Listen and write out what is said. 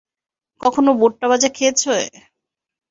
কখনও ভুট্টা ভাজা খেয়েছে?